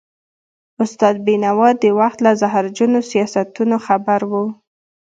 استاد بينوا د وخت له زهرجنو سیاستونو خبر و.